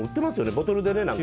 ボトルでね。